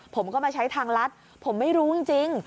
ผมก็มาใช้ทางรัฐผมไม่รู้จริง